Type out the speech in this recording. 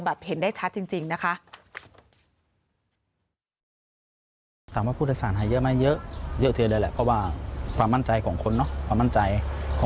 เห็นได้ชัดจริงนะคะ